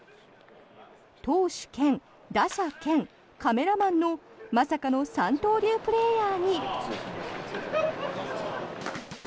投手兼野手兼カメラマンのまさかの三刀流プレーヤーに。